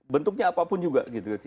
bentuknya apapun juga